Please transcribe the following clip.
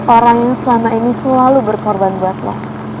orang yang selama ini selalu berkorban buat lo